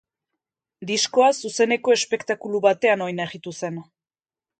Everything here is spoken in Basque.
Diskoa zuzeneko espektakulu batean oinarritu zen.